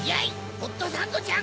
ホットサンドちゃん！